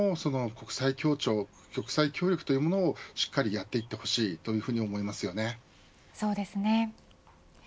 そうした面でも国際協調、国際協力というものをしっかりやっていってほしいと思いますよね。